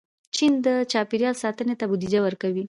چین د چاپېریال ساتنې ته بودیجه ورکوي.